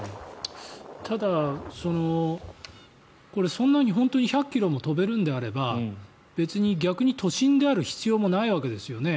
ただ、これそんなに本当に１００ｋｍも飛べるんであれば別に逆に都心である必要もないわけですよね。